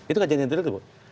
itu kajian yang detil itu bu